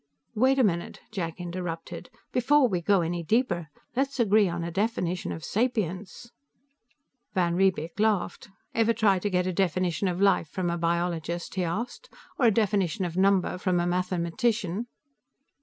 "Wait a minute," Jack interrupted. "Before we go any deeper, let's agree on a definition of sapience." Van Riebeek laughed. "Ever try to get a definition of life from a biologist?" he asked. "Or a definition of number from a mathematician?"